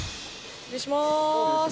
失礼します。